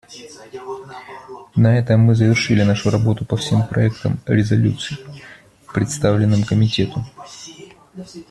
На этом мы завершили нашу работу по всем проектам резолюций, представленным Комитету.